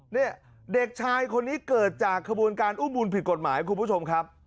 เนี่ยเด็กชายคนนี้เกิดจากขบวนการอุ้มบุญผิดกฎหมายคุณผู้ชมครับ